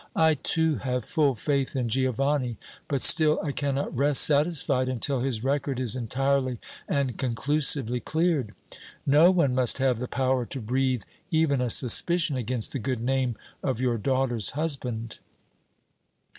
I, too, have full faith in Giovanni, but still I cannot rest satisfied until his record is entirely and conclusively cleared. No one must have the power to breathe even a suspicion against the good name of your daughter's husband!"